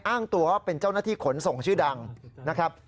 อ้างตัวว่าเป็นเจ้าหน้าที่ขนส่งชื่อดังนะครับ